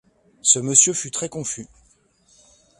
Ce monsieur fut très confus.